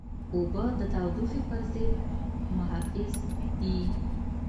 اوبه د تودوخې پر ضد محافظ دي.